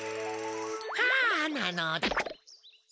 はあなのだ。